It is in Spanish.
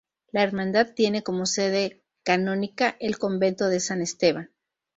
La hermandad tiene como sede canónica el Convento de San Esteban.